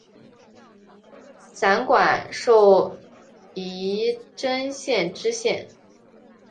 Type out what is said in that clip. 散馆授仪征县知县。